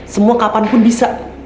semua kapan pun bisa